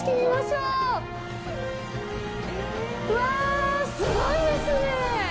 うわ、すごいですね！